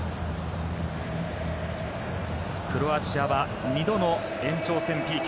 クロアチアは２度の延長戦ＰＫ。